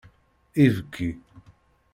Ibki.